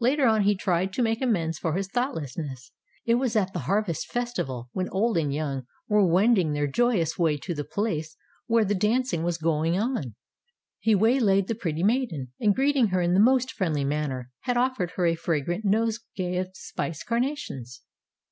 Later on he tried to make amends for his thoughtlessness. It was at the Harvest Festival, when old and young were wending their joyous way to the place where the dancing was going on. He waylaid the pretty maiden, and greeting her in the most friendly manner, had offered her a fragrant nosegay of spice carnations.